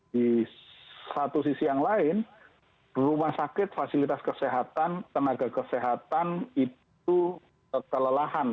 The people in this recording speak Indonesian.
di satu sisi yang lain rumah sakit fasilitas kesehatan tenaga kesehatan itu kelelahan